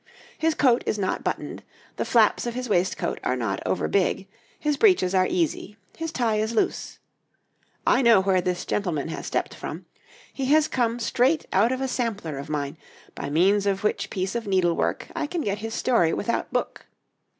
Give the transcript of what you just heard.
His coat is not buttoned, the flaps of his waistcoat are not over big, his breeches are easy, his tie is loose. I know where this gentleman has stepped from; he has come straight out of a sampler of mine, by means of which piece of needlework I can get his story without book.